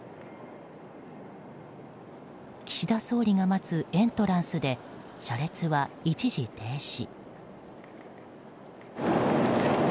岸田総理が待つエントランスで車列は一時停止。